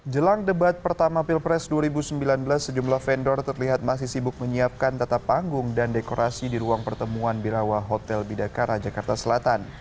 jelang debat pertama pilpres dua ribu sembilan belas sejumlah vendor terlihat masih sibuk menyiapkan tata panggung dan dekorasi di ruang pertemuan birawa hotel bidakara jakarta selatan